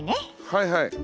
はいはい。